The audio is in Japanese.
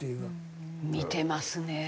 見てますね。